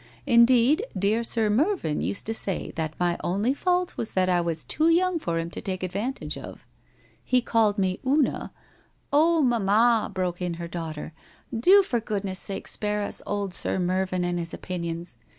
Indeed, dear Sir Mervyn used to say that my only fault was that I was too young for him to take advantage of. He called me Una '* Oh, mamma,' broke in her daughter, ' do for goodness sake spare us old Sir Mervyn and his opinions.